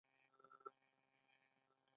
په اوبو کې یې کشتۍ لکه نهنګ ځي